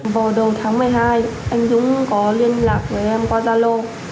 vào đầu tháng một mươi hai anh dũng có liên lạc với em qua zalo